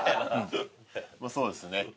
まあそうですね。